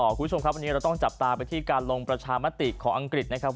คุณผู้ชมครับวันนี้เราต้องจับตาไปที่การลงประชามติของอังกฤษนะครับ